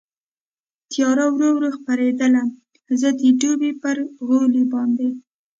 تېاره ورو ورو خپرېدل، زه د ډبې پر غولي باندې.